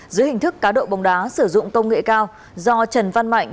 dưới hình thức cá độ bóng đá sử dụng công nghệ cao do trần văn mạnh